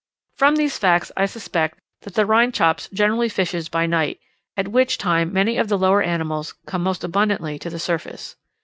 From these facts I suspect that the Rhynchops generally fishes by night, at which time many of the lower animals come most abundantly to the surface.